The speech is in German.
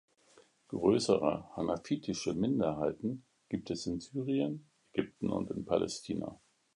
Größere hanafitische Minderheiten gibt es in Syrien, Ägypten und in Palästina.